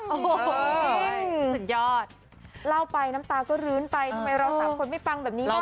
โอ้โหสุดยอดเล่าไปน้ำตาก็รื้นไปทำไมเราสามคนไม่ฟังแบบนี้